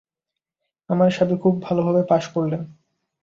আমার স্বামী খুব ভালভাবে পাশ করলেন।